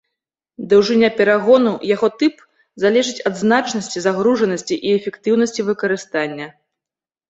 Даўжыня перагону, яго тып залежыць ад значнасці, загружанасці і эфектыўнасці выкарыстання.